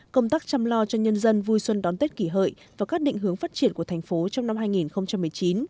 công tác chăm lo cho nhân dân vui xuân đón tết kỷ hợi và các định hướng phát triển của thành phố trong năm hai nghìn một mươi chín